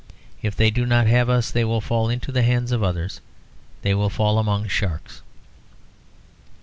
If they do not have us they will fall into the hands of others, they will fall among sharks."